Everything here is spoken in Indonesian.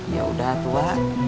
ya udah tua